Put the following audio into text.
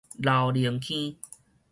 老龍坑